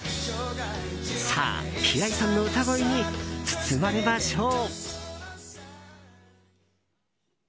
さあ、平井さんの歌声に包まれましょう！